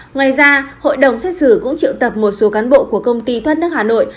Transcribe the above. ngoài ra hội đồng xét xử cũng triệu tập một số cán bộ của công ty thoát nước hà nội